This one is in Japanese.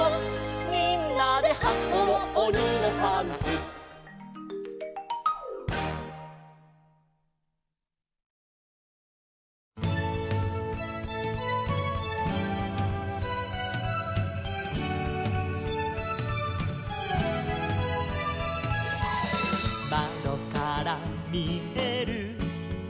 「みんなではこうおにのパンツ」「まどからみえる」